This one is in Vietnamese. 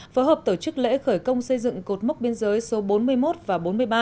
phối hợp tổ chức lễ khởi công xây dựng cột mốc biên giới số bốn mươi một và bốn mươi ba